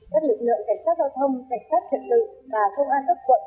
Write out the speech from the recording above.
các lực lượng cảnh sát giao thông cảnh sát trận tự và công an tất quận